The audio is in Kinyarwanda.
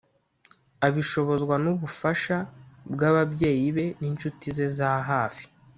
abishobozwa n’ubufasha bw’ababyeyi be n’inshuti ze za hafi